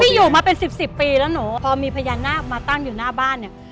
อยู่มาเป็นสิบสิบปีแล้วหนูพอมีพญานาคมาตั้งอยู่หน้าบ้านเนี่ย